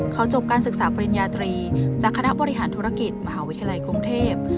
เขาจบการศึกษาปริญญาตรีจากคณะบริหารธุรกิจมหาวิทยาลัยกรุงเทพ